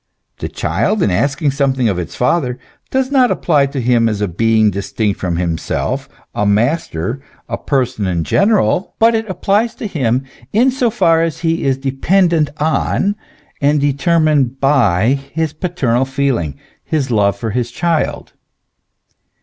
The child, in asking something of its father, does not apply to him as a being distinct from itself, a master, a person in general, but it applies to him in so far as he is dependent on, and determined by his paternal feeling, his love for his child.